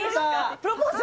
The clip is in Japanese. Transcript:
プロポーズ。